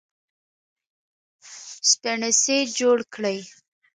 سپڼسي جوړ کړي